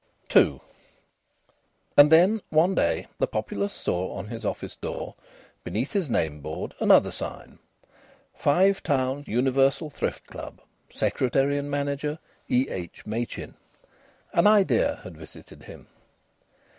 II And then one day the populace saw on his office door, beneath his name board, another sign: FIVE TOWNS UNIVERSAL THRIFT CLUB. Secretary and Manager E.H. MACHIN. An idea had visited him.